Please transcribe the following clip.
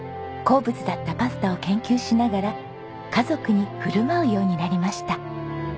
好物だったパスタを研究しながら家族に振る舞うようになりました。